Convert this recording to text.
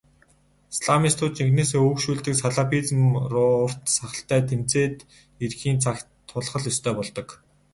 Исламистуудыг жинхэнээсээ өөгшүүлдэг салафизм руу урт сахалтай тэмцээд ирэхийн цагт тулах л ёстой болдог.